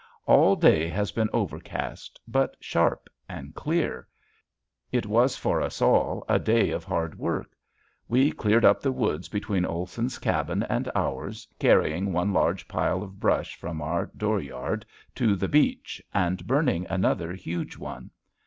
All day has been overcast, but sharp and clear. It was for us all a day of hard work. We cleared up the woods between Olson's cabin and ours carrying one large pile of brush from our door yard to the beach and burning another huge one.